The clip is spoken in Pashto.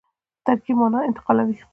ترکیب مانا انتقالوي.